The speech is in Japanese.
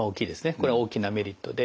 これは大きなメリットで。